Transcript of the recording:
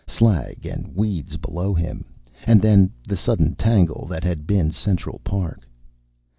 Slag and weeds below him. And then the sudden tangle that had been Central Park.